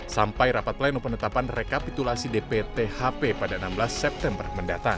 sampai rapat lain penetapan rekapitulasi dpt hp pada enam belas september mendatang